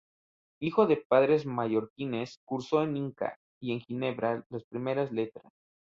Hijo de padres mallorquines, cursó en Inca y en Ginebra las primeras letras.